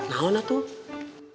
nah mana tuh